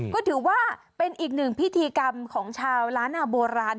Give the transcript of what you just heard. ก็ถือว่าเป็นอีกหนึ่งพิธีกรรมของชาวล้านนาโบราณ